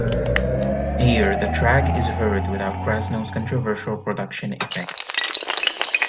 Here, the track is heard without Krasnow's controversial production effects.